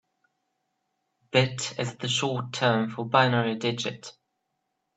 Bit is the short term for binary digit.